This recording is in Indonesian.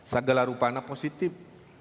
seagala rupana positif